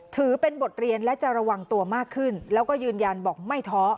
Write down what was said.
ถือเป็นบทเรียนและจะระวังตัวมากขึ้นแล้วก็ยืนยันบอกไม่ท้อ